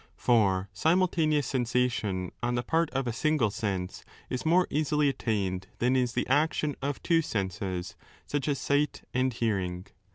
For simul taneous sensation on the part of a single sense is more easily attained than is the action of two senses, such as sight and hearing.